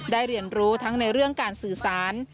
เรียนรู้ทั้งในเรื่องการสื่อสาร